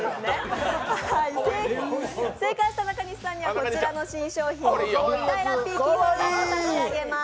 正解した中西さんにはこちらの新商品、立体ラッピーキーホルダーを差し上げます。